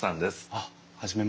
あっ初めまして。